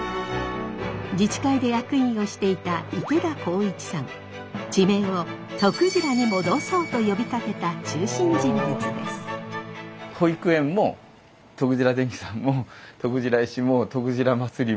自治会で役員をしていた地名をとくじらに戻そうと呼びかけた中心人物です。